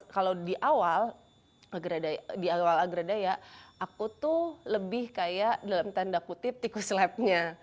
kalau di awal di awal agrada ya aku tuh lebih kayak dalam tanda kutip tikus labnya